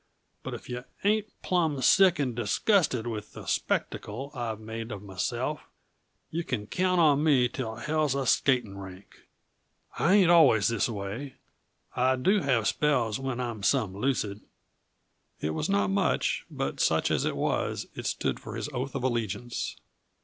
But if yuh ain't plumb sick and disgusted with the spectacle I've made uh myself, yuh can count on me till hell's a skating rink. I ain't always thisaway. I do have spells when I'm some lucid." It was not much, but such as it was it stood for his oath of allegiance.